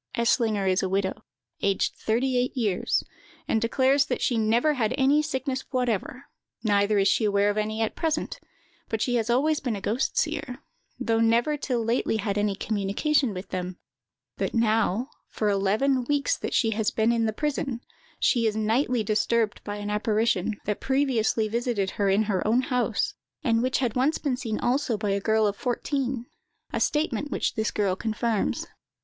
"Eslinger is a widow, aged thirty eight years, and declares that she never had any sickness whatever, neither is she aware of any at present; but she has always been a ghost seer, though never till lately had any communication with them; that now, for eleven weeks that she has been in the prison, she is nightly disturbed by an apparition, that had previously visited her in her own house, and which had been once seen also by a girl of fourteen—a statement which this girl confirms.